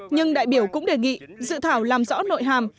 nhưng đại biểu cũng đề nghị dự thảo làm rõ nội hàm